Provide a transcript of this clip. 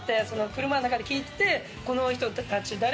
車の中で聴いてて「この人たち誰？」